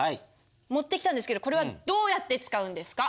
持ってきたんですけどこれはどうやって使うんですか？